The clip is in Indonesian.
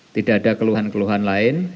tidak ada keluhan keluhan lain